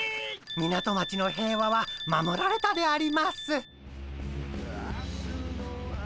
港町の平和は守られたであります。